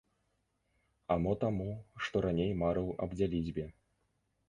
А мо таму, што раней марыў аб дзяліцьбе.